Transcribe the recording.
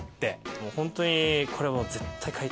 もうホントにこれもう。